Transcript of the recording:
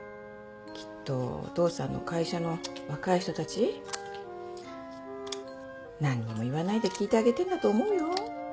きっとお父さんの会社の若い人たち何にも言わないで聞いてあげてんだと思うよ。